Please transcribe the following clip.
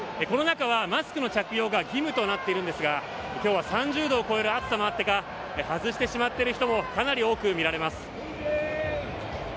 この中はマスクの着用が義務となっているんですが、きょうは３０度を超える暑さもあってか、外してしまっている人もかなり多く見られます。